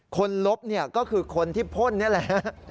คนลบก็คือคนที่พ่นนี่แหละ